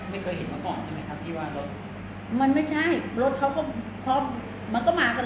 ไม่เคยเห็นมาก่อนใช่ไหมครับที่ว่ารถมันไม่ใช่รถเขาก็เพราะมันก็มากัน